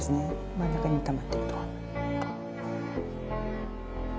真ん中にたまってると。